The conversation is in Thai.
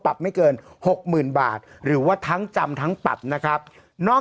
ไม่เกินหกหมื่นบาทหรือว่าทั้งจำทั้งปรับนะครับนอก